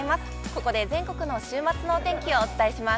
ここで全国の週末のお天気をお伝えします。